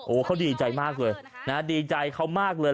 เขาดีใจมากเลยนะดีใจเขามากเลย